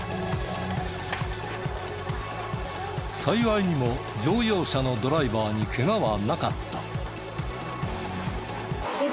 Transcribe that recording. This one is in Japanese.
幸いにも乗用車のドライバーにケガはなかった。